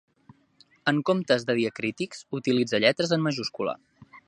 En comptes de diacrítics utilitza lletres en majúscula.